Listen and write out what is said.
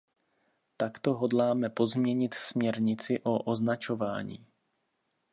Také hodláme pozměnit směrnici o označování.